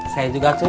saya juga cuk